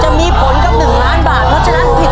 จะมีผลกับ๑ล้านบาทเพราะฉะนั้นผิดไม่ได้นะคะ